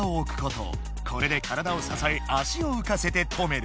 これで体をささえ足をうかせて止める！